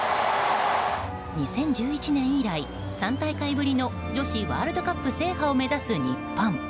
２０１１年以来３大会ぶりの女子ワールドカップ制覇を目指す日本。